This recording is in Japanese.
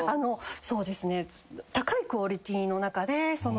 そうですね。